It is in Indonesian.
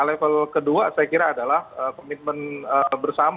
nah level kedua saya kira adalah komitmen bersama dan berkomitmen bersama and berkomitmen bersama